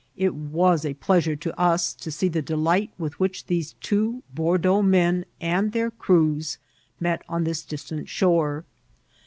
It was a pleasure to us to see tfie delight with which these two Bordeaux men and their crews met <hi this distant shore.